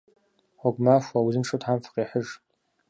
Гъуэгу махуэ! Узыншэу Тхьэм фыкъихьыж.